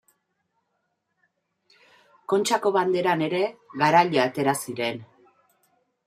Kontxako Banderan ere garaile atera ziren.